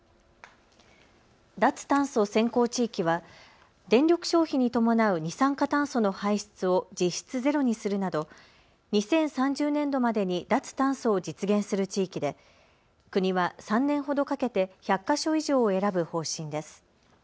脱炭素先行地域は電力消費に伴う二酸化炭素の排出を実質ゼロにするなど２０３０年度までに脱炭素を実現する地域で国は３年ほどかけて１００か所以上を選ぶ方針です。